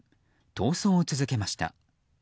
逃走を続けました。